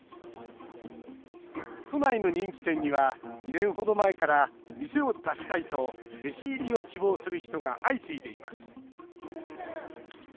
都内の人気店には２年程前から店を出したいと弟子入りを希望する人が相次いでいます。